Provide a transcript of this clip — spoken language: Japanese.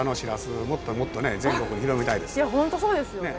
本当そうですよね。